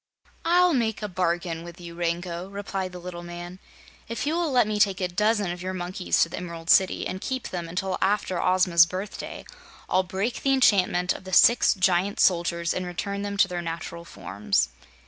"I'll make a bargain with you, Rango," replied the little man. "If you will let me take a dozen of your monkeys to the Emerald City, and keep them until after Ozma's birthday, I'll break the enchantment of the six Giant Soldiers and return them to their natural forms."